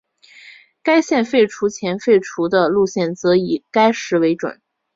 该线废除前废除的路线则以该时为准。